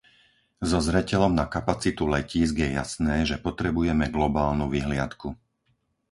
So zreteľom na kapacitu letísk je jasné, že potrebujeme globálnu vyhliadku.